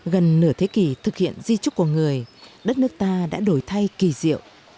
gần nửa thế kỷ thực hiện di trúc của người đất nước ta đã đổi thay kỳ diệu